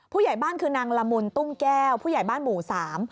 ผู้ใหญ่บ้านคือนางละมุนตุ้งแก้วผู้ใหญ่บ้านหมู่สาม